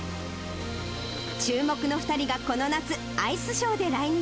注目の２人がこの夏、アイスショーで来日。